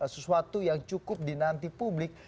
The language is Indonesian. sesuatu yang cukup dinanti publik